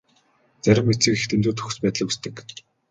Зарим эцэг эх дэндүү төгс байдлыг хүсдэг.